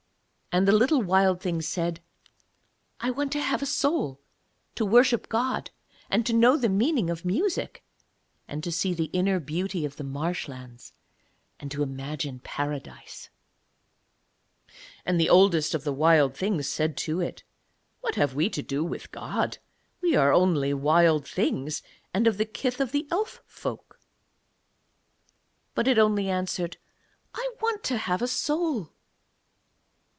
And the little Wild Thing said: 'I want to have a soul to worship God, and to know the meaning of music, and to see the inner beauty of the marshlands and to imagine Paradise.' And the Oldest of the Wild Things said to it: 'What have we to do with God? We are only Wild Things, and of the kith of the Elf folk.' But it only answered, 'I want to have a soul.'